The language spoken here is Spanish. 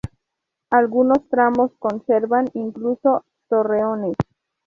Algunos tramos conservan, incluso, torreones.